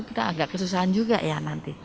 kita agak kesusahan juga ya nanti